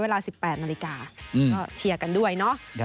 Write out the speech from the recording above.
เวลา๑๘นาฬิกาก็เชียร์กันด้วยเนาะ